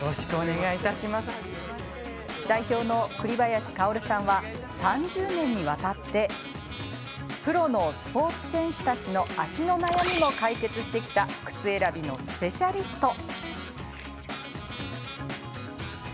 代表の、栗林薫さんは３０年にわたってプロのスポーツ選手たちの足の悩みも解決してきた靴選びのスペシャリスト。